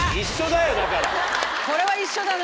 これは一緒だな。